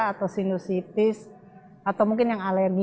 atau sinusitis atau mungkin yang alergi